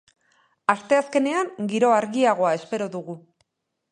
Asteazkenean giro argiagoa espero dugu.